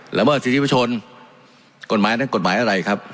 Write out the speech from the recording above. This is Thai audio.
ละเมิดสิทธิประชนกฎหมายนั้นกฎหมายอะไรครับ